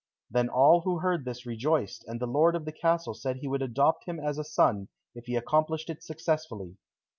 Then all who heard this rejoiced, and the lord of the castle said he would adopt him as a son if he accomplished it successfully.